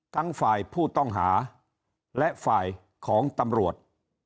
ทั้งฝ่ายผู้ต้องหาและฝ่ายของตำรวจ